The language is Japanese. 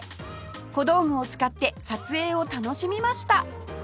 小道具を使って撮影を楽しみました